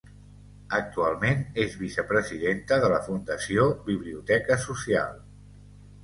Actualment és vicepresidenta de la Fundació Biblioteca Social.